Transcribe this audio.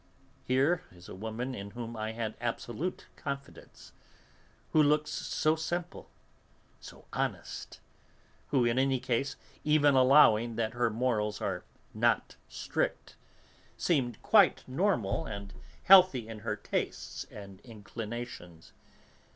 Here is a woman in whom I had absolute confidence, who looks so simple, so honest, who, in any case, even allowing that her morals are not strict, seemed quite normal and healthy in her tastes and inclinations.